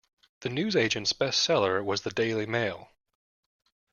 The newsagent’s best seller was The Daily Mail